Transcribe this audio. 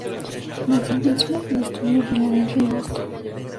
Nació en Pittsburgh y estudió en Filadelfia y Boston.